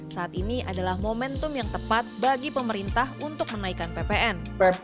saat ini adalah momentum yang tepat bagi pemerintah untuk menaikkan ppn